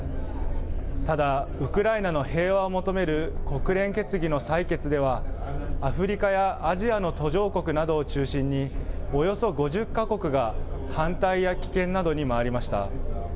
ただ、ウクライナの平和を求める国連決議の採決では、アフリカやアジアの途上国などを中心に、およそ５０か国が反対や棄権などに回りました。